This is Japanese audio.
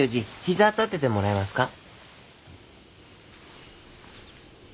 ひざ立ててもらえますか？